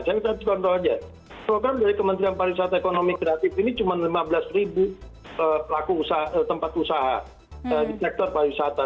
saya contoh aja program dari kementerian pariwisata ekonomi kreatif ini cuma lima belas ribu tempat usaha di sektor pariwisata